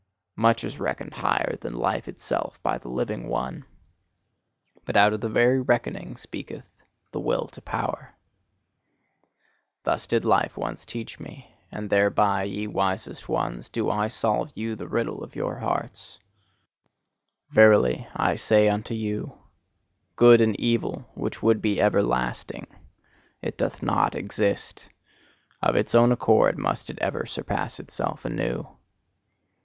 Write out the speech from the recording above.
Much is reckoned higher than life itself by the living one; but out of the very reckoning speaketh the Will to Power!" Thus did Life once teach me: and thereby, ye wisest ones, do I solve you the riddle of your hearts. Verily, I say unto you: good and evil which would be everlasting it doth not exist! Of its own accord must it ever surpass itself anew.